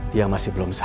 dia masih belum sadar